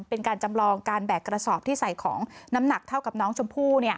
เป็นการจำลองการแบกกระสอบที่ใส่ของน้ำหนักเท่ากับน้องชมพู่